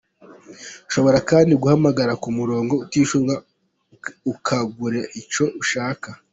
Ushobora kandi guhamagara ku murongo utishyurwa ukagura icyo ushaka.